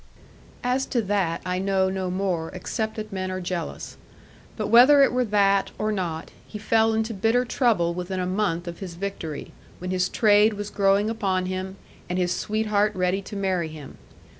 As to that, I know no more, except that men are jealous. But whether it were that, or not, he fell into bitter trouble within a month of his victory; when his trade was growing upon him, and his sweetheart ready to marry him.